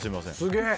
すげえ！